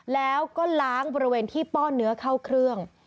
แล้วก็ล้างบริเวณที่ป้อนเนื้อเข้าเครื่อง